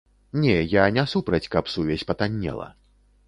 Не, я не супраць, каб сувязь патаннела.